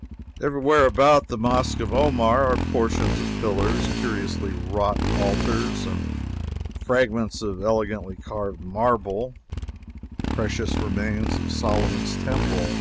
] Every where about the Mosque of Omar are portions of pillars, curiously wrought altars, and fragments of elegantly carved marble precious remains of Solomon's Temple.